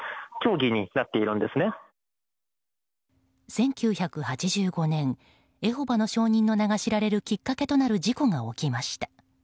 １９８５年エホバの証人の名が知られるきっかけとなる事故が起きました。